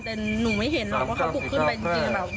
แต่หนูไม่เห็นหรอกว่าเขาบุกขึ้นไปจริง